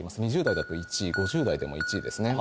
２０代だと１位５０代でも１位ですね。